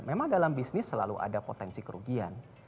memang dalam bisnis selalu ada potensi kerugian